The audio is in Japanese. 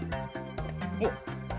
おっ。